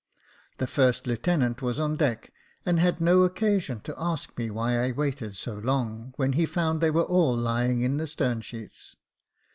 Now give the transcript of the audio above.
The first lieutenant was on deck, and had no occasion to ask me why I waited so long, when he found they were all lying in the stern sheets.